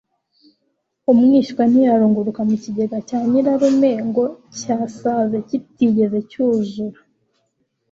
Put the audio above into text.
Umwishywa ntiyarunguruka mu Kigega cya Nyirarume, ngo cyasaza kitigeze cyuzura